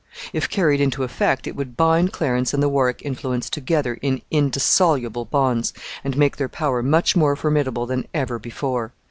If carried into effect, it would bind Clarence and the Warwick influence together in indissoluble bonds, and make their power much more formidable than ever before.